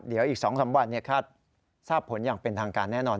เดี๋ยวอีก๒๓วันคาดทราบผลอย่างเป็นทางการแน่นอน